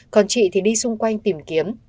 còn chị thì đi xung quanh tìm kiếm